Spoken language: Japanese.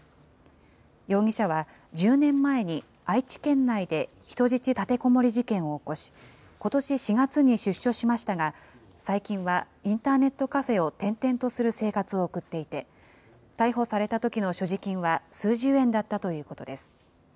容疑者は１０年前に、愛知県内で人質立てこもり事件を起こし、ことし４月に出所しましたが、最近はインターネットカフェを転々とする生活を送っていて、逮捕されたときの所持金は、数十円だったということです。